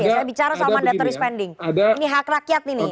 saya bicara soal mandatory spending